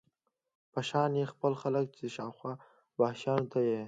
په شان خلک و، چې دې وحشیانو ته یې.